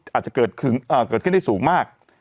อาจจะเกิดขึ้นได้สูงมาก